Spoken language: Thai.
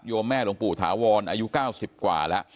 โยมแม่หลวงปู่หาวรในอายุ๙๐กว่า